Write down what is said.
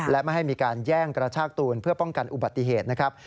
และไม่ให้มีการแย่งกระชากตูนเพื่อป้องกันอุบัติเหตุนะครับ